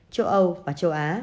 châu âu và châu á